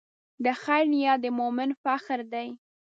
د خیر نیت د مؤمن فخر دی.